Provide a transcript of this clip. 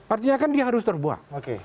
artinya kan dia harus terbuang